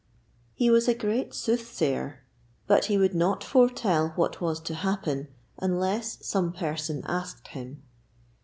He was a great soothsayer, but he would not foretell what was to happen unless some person asked him.